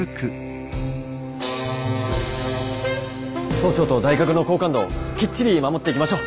総長と大学の好感度をきっちり守っていきましょう！